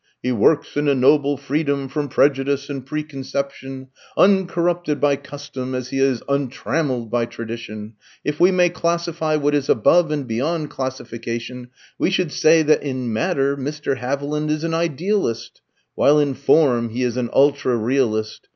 He works in a noble freedom from prejudice and preconception, uncorrupted by custom as he is untrammelled by tradition. If we may classify what is above and beyond classification, we should say that in matter Mr. Haviland is an idealist, while in form he is an ultra realist.